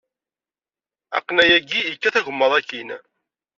Aqnay agi yekkat agemmaḍ akkin.